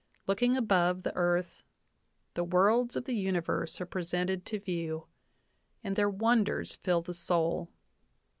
... Looking above the earth, the worlds of the universe are presented to view, and their wonders fill the soul.